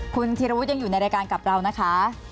คุณธีรวุฒิยังอยู่ในรายการกับเรานะคะ